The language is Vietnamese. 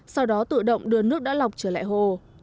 sau đó tự động đưa nước đã lọc trở lại hồ